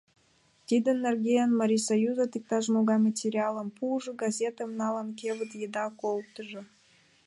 Тидын нерген Марисоюзат иктаж-могай материалым пуыжо, газетым налын, кевыт еда колтыжо.